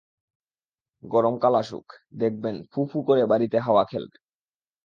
গরমকাল আসুক, দেখবেন ফু-ফু করে বাড়িতে হাওয়া খেলবে।